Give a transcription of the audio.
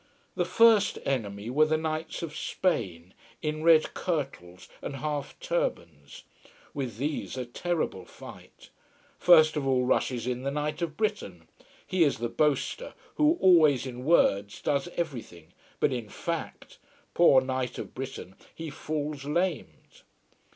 The first enemy were the knights of Spain, in red kirtles and half turbans. With these a terrible fight. First of all rushes in the Knight of Britain. He is the boaster, who always in words, does everything. But in fact, poor knight of Britain, he falls lamed.